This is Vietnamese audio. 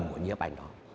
của nhấp ảnh đó